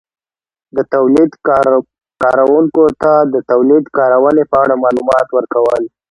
-د تولید کارونکو ته د تولید کارونې په اړه مالومات ورکول